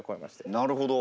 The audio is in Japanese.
なるほど。